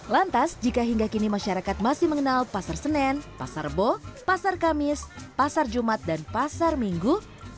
lantas jika hingga kini masyarakat masih mengenal pasar senen pasar rebo pasar kamis pasar jumat dan pasar minggu